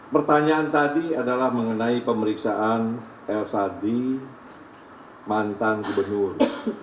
pertanyaan tadi adalah mengenai pemeriksaan l sadi mantan gubernur